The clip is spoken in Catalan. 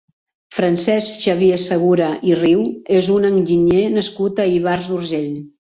Francesc Xavier Segura i Riu és un enginyer nascut a Ivars d'Urgell.